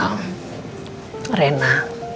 aku mau nanya sama rena